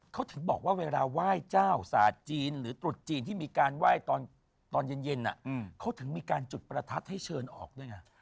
เขาถึงบอกว่าเวลาไหว้เจ้าศาสตร์จีนหรือตรุษจีนที่มีการไหว้ตอนเย็นเขาถึงมีการจุดประทัดให้เชิญออกด้วยไง